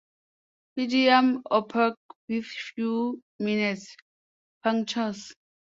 Pygidium opaque with few minute punctures.